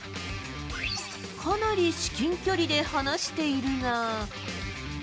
かなり至近距離で話しているが。